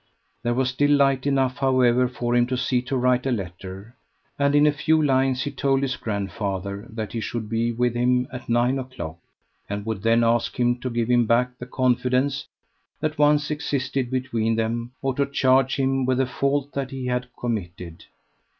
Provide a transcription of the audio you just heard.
There was still light enough, however, for him to see to write a letter, and in a few lines he told his grandfather that he should be with him at nine o'clock, and would then ask him to give him back the confidence that once existed between them, or to charge him with the fault that he had committed.